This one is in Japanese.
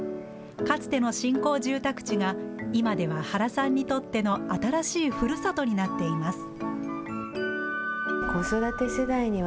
かつての新興住宅地が今では原さんにとっての新しいふるさとになっています。